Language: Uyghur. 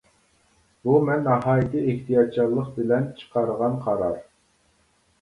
بۇ مەن ناھايىتى ئېھتىياتچانلىق بىلەن چىقارغان قارار.